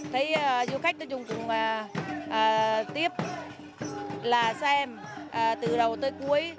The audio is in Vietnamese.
thấy du khách tất cả chúng cũng tiếp là xem từ đầu tới cuối